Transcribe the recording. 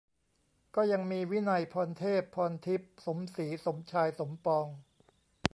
ก็ยังมี วินัย พรเทพ พรทิพย์ สมศรี สมชาย สมปอง